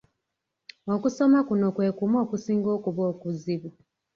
Okusoma kuno kwe kumu okusinga okuba okuzibu.